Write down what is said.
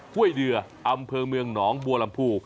้วยเดืออำเภอเมืองหนองบัวลำพู